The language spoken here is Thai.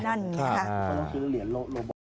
นั่นค่ะค่ะค่ะค่ะค่ะค่ะค่ะ